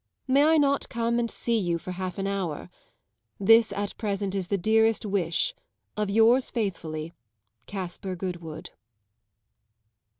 May I not come and see you for half an hour? This at present is the dearest wish of yours faithfully, CASPAR GOODWOOD.